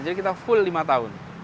jadi kita full lima tahun